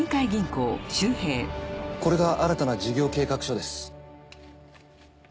これが新たな事業計画書です。